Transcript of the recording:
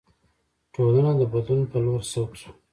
ټولنه د بدلون په لور سوق شوه.